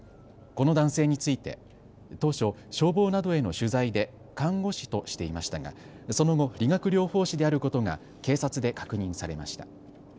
この男性について当初、消防などへの取材で看護師としていましたがその後、理学療法士であることが警察で確認されました。